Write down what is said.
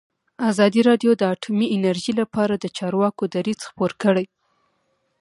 ازادي راډیو د اټومي انرژي لپاره د چارواکو دریځ خپور کړی.